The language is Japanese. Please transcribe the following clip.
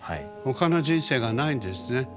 他の人生がないんですね。